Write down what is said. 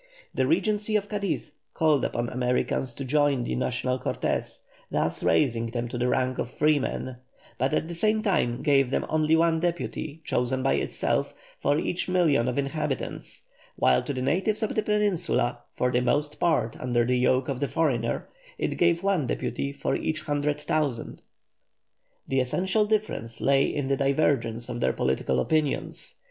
The Regency of Cadiz called upon Americans to join the national Cortes, thus raising them to the rank of freemen, but at the same time gave them only one deputy, chosen by itself, for each million of inhabitants, while to the natives of the Peninsula, for the most part under the yoke of the foreigner, it gave one deputy for each hundred thousand. The essential difference lay in the divergence of their political opinions.